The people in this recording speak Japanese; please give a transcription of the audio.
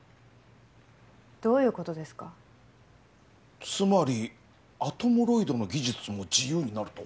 どういうことですかつまりアトムロイドの技術も自由になると？